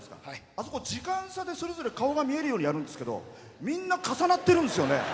あそこ時間差でそれぞれ顔が見えるようにやるんですけどみんな重なってるんですよね。